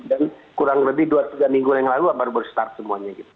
dan kurang lebih dua tiga minggu yang lalu baru berstart semuanya gitu